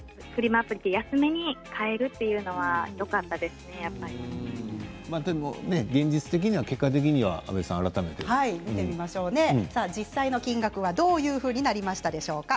アプリで安めに買えるというのはよかった現実的には結果的には実際の金額はどういうふうになりましたでしょうか。